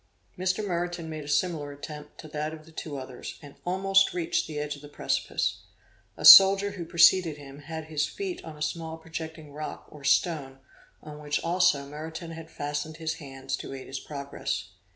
Mr. Meriton made a similar attempt to that of the two others, and almost reached the edge of the precipice. A soldier who preceded him had his feet on a small projecting rock or stone on which also Meriton had fastened his hands to aid his progress.